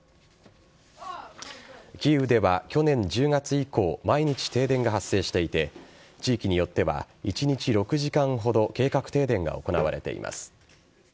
キーウでは去年１０月以降、毎日停電が発生していて、地域によっては１日６時間ほど、計画停電が行われています。